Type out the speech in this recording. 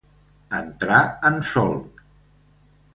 Entrar en solc.